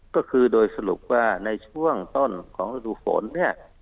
ก็คือโดยสรุปว่าในช่วงต้นของฤดูฝนเนี่ย